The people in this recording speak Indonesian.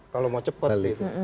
kalau mau cepet gitu